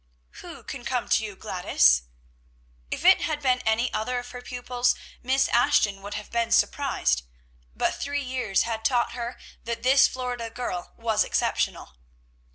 "Who can come to you, Gladys?" If it had been any other of her pupils, Miss Ashton would have been surprised; but three years had taught her that this Florida girl was exceptional.